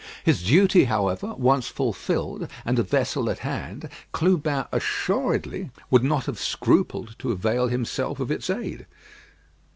His duty, however, once fulfilled, and a vessel at hand, Clubin assuredly would not have scrupled to avail himself of its aid.